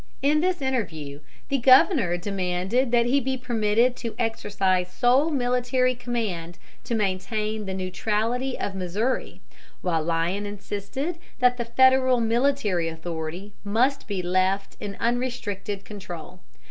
In this interview the governor demanded that he be permitted to exercise sole military command to maintain the neutrality of Missouri, while Lyon insisted that the Federal military authority must be left in unrestricted control.